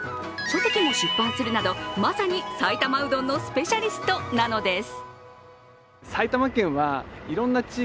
書籍も出版するなどまさに埼玉うどんのスペシャリスト名の手す。